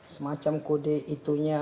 semacam kode itunya